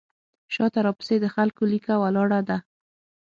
شاته راپسې د خلکو لیکه ولاړه ده.